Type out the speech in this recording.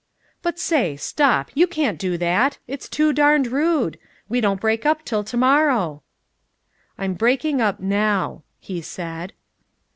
"But say, stop; you can't do that. It's too darned rude. We don't break up till to morrow." "I'm breaking up now," he said.